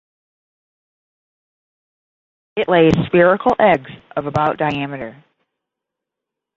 It lays spherical eggs of about diameter.